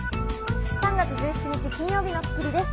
３月１７日、金曜日の『スッキリ』です。